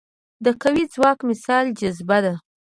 د قوي ځواک مثال جاذبه ده.